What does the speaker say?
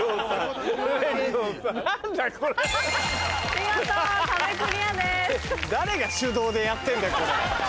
見事壁クリアです。